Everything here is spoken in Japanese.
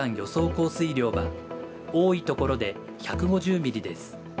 降水量は多いところで１５０ミリです。